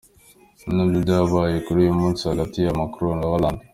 Ibi ni nabyo byabaye kuri uyu munsi hagati ya Macron na Hollande.